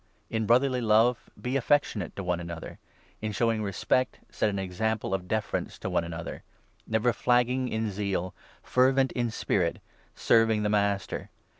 In brotherly love, be affectionate to one another ; in showing 10 respect, set an example of deference to one another ; never 1 1 flagging in zeal ; fervent in spirit ; serving the Master